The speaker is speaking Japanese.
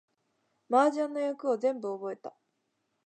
麻雀の役を全部覚えた